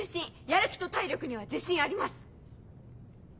やる気と体力には自信あります！